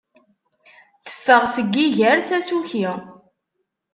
Teffeɣ seg iger s asuki.